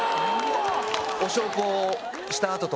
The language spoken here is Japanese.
お焼香した後とか。